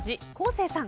生さん。